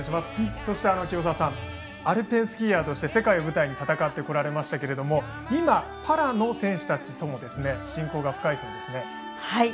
そして清澤さんアルペンスキーヤーとして世界を舞台に戦ってこられましたが今、パラの選手たちとも親交が深いそうですね。